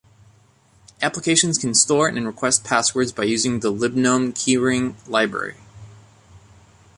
Applications can store and request passwords by using the "libgnome-keyring" library.